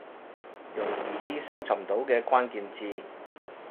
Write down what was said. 用易啲搜尋到嘅關鍵字